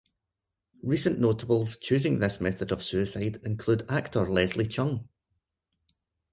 Recent notables choosing this method of suicide include actor Leslie Cheung.